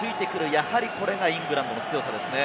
やはり、これがイングランドの強さですね。